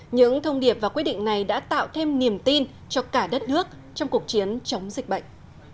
những thông điệp và quyết định này đã tạo thêm niềm tin cho cả đất nước trong cuộc chiến chống dịch bệnh